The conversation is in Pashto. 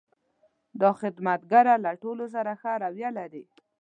دا خدمتګر له ټولو سره ښه رویه لري.